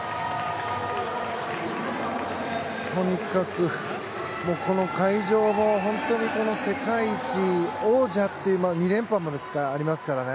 とにかく、この会場も本当に世界一王者という２連覇もありますからね。